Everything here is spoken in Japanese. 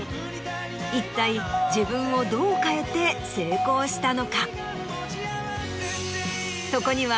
一体自分をどう変えて成功したのか？